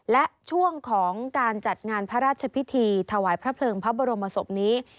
และช่วงของการจัดงานพระราชพิธีถวายพระเพลิงพระบรมศพนี้